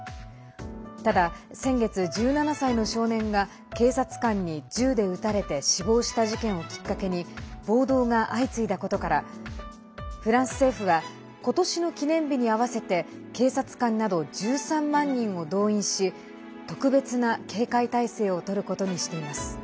ただ先月、１７歳の少年が警察官に銃で撃たれて死亡した事件をきっかけに暴動が相次いだことからフランス政府は今年の記念日に合わせて警察官など１３万人を動員し特別な警戒態勢をとることにしています。